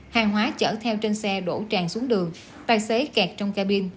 hàng hóa chở theo trên xe đổ tràn xuống đường tài xế kẹt trong ca bin